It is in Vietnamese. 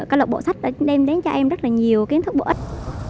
các lập bộ sách đã đem đến cho em rất là nhiều kiến thức bổ ích